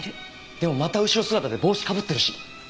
でもまた後ろ姿で帽子被ってるし。